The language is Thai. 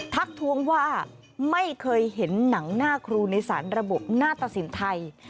ทักทวงว่าไม่เคยเห็นหนังหน้าครูในสารระบบหน้าตสินไทย